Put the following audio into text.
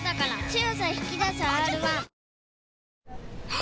あ！